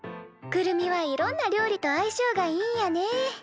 くるみはいろんな料理と相性がいいんやね。